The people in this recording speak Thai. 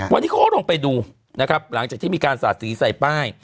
วันนี้เขาก็ลงไปดูนะครับหลังจากที่มีการสาดสีใส่ป้าย